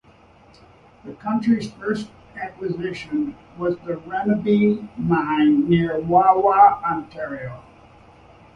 The company's first acquisition was the Renabie mine, near Wawa, Ontario.